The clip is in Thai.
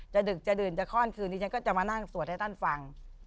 ดึกจะดื่นจะคล่อนคืนนี้ฉันก็จะมานั่งสวดให้ท่านฟัง